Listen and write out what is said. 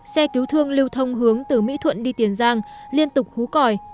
xe cứu thương lưu thông hướng từ mỹ thuận đi tiền giang liên tục hú còi